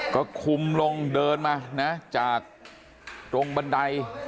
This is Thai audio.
ก็คุมลงเดินมานะจากตรงบันได